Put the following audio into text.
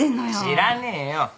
知らねえよ。